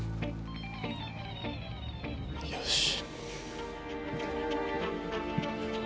よし。